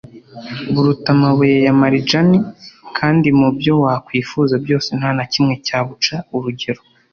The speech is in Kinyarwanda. buruta amabuye ya marijani kandi mu byo wakwifuza byose nta na kimwe cyabuca urugero.